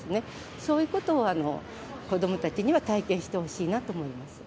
そういうことを子どもたちには体験してほしいなと思います。